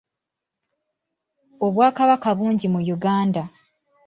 Obwakabaka bungi mu Uganda.